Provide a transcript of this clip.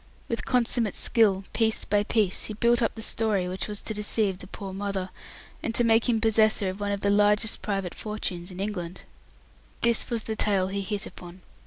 With consummate skill, piece by piece he built up the story which was to deceive the poor mother, and to make him possessor of one of the largest private fortunes in England. This was the tale he hit upon.